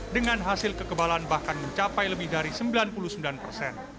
dengan hasil kekebalan bahkan mencapai lebih dari sembilan puluh sembilan persen